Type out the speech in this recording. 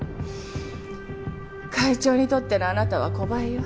会長にとってのあなたは小バエよ。